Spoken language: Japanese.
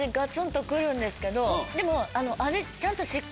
でも。